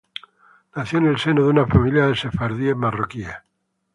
Nació en el seno de una familia de sefardíes marroquíes.